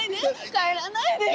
帰らないでよ！